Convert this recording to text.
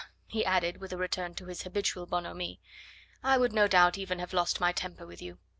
he added with a return to his habitual bonhomie, "I would no doubt even have lost my temper with you.